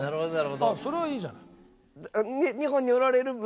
それはいいじゃない。